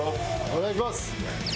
お願いします。